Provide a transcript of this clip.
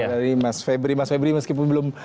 dari mas febri mas febri meskipun belum